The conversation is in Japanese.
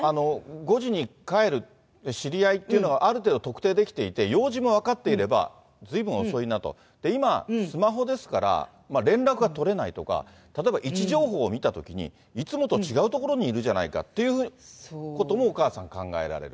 ５時に帰る、知り合いっていうのがある程度特定できていて、用事も分かっていればずいぶん遅いなと、今、スマホですから、連絡が取れないとか、例えば位置情報を見たときに、いつもと違う所にいるじゃないとお母さん考えられる。